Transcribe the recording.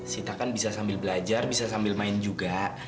sita kan bisa sambil belajar bisa sambil main juga